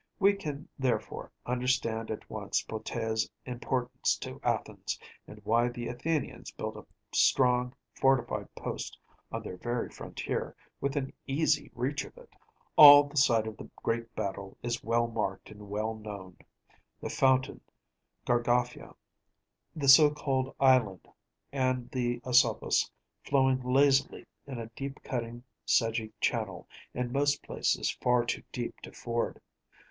We can, therefore, understand at once Platæa’s importance to Athens, and why the Athenians built a strong fortified post on their very frontier, within easy reach of it. All the site of the great battle is well marked and well known‚ÄĒthe fountain Gargaphia, the so called island, and the Asopus, flowing lazily in a deep cut sedgy channel, in most places far too deep to ford.